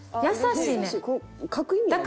優しいねん。